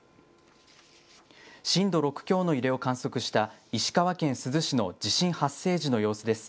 震度６強の揺れを観測した石川県珠洲市の地震発生時の様子です。